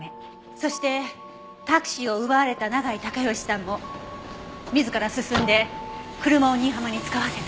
そしてタクシーを奪われた永井孝良さんも自ら進んで車を新浜に使わせた。